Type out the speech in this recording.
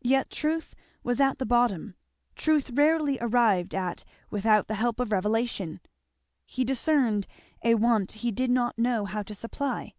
Yet truth was at the bottom; truth rarely arrived at without the help of revelation. He discerned a want he did not know how to supply.